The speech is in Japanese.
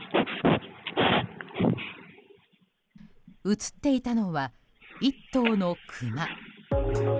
映っていたのは１頭のクマ。